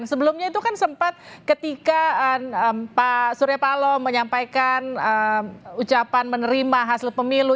sebelumnya itu kan sempat ketika pak surya paloh menyampaikan ucapan menerima hasil pemilu